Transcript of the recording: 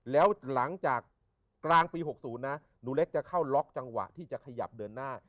แล้วหลังจากกลางปี๖๐นะหนูเล็กจะเข้าล็อกจังหวะที่จะขยับเดินหน้า